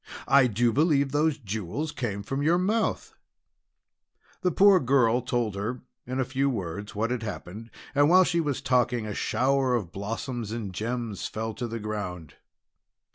"I do believe those jewels came from your mouth!" The poor girl told her in a few words what had happened, and while she was talking a shower of blossoms and gems fell to the ground.